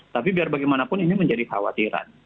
tapi biar bagaimanapun ini menjadi khawatiran